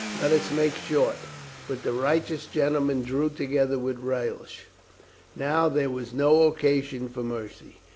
Let us make short." But the righteous gentlemen drew together with relish. Now there was no occasion for mercy.